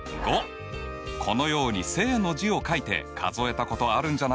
このように「正」の字を書いて数えたことあるんじゃないかな？